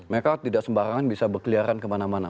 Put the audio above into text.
mereka tidak sembarangan bisa berkeliaran kemana mana